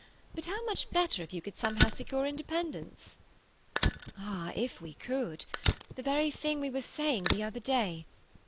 But how much better if you could somehow secure independence." "Ah, if we could! The very thing we were saying the other day!